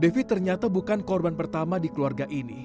devi ternyata bukan korban pertama di keluarga ini